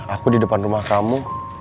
aku di depan rumah kamu